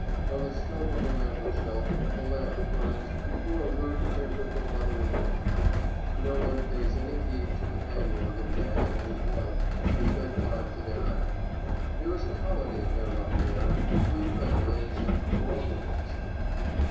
On the stump of a mantel shelf a lamp burns before a rude print of the Mother of God. No one pays any heed to the hand organ man and his wife as they climb to their attic. There is a colony of them up there three families in four rooms.